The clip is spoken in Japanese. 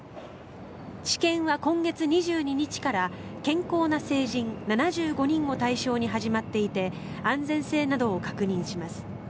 治験は今月２２日から健康な成人７５人を対象に始まっていて安全性などを確認します。